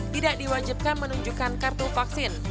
tidak diwajibkan menunjukkan kartu vaksin